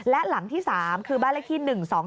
และหลังที่๓คือบ้านเลขที่๑๒๒